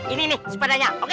ini nih sepedanya oke